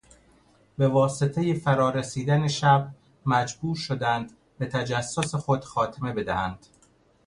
به واسطهی فرا رسیدن شب مجبور شدند به تجسس خود خاتمه بدهند.